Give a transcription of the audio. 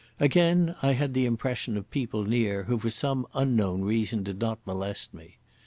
Again I had the impression of people near, who for some unknown reason did not molest me.